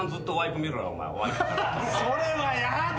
それはやだ！